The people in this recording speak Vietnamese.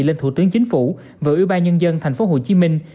lên thủ tướng chính phủ và ủy ban nhân dân thành phố hồ chí minh